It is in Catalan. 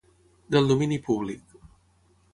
Del domini públic.